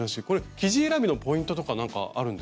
生地選びのポイントとか何かあるんですか？